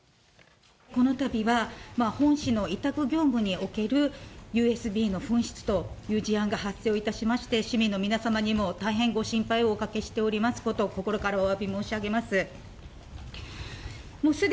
このたびは、本市の委託業務におけるＵＳＢの紛失という事案が発生いたしまして、市民の皆様にも大変ご心配をおかけしておりますこと、心からおわび申し上げます。